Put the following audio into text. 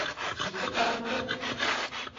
Китеп барасы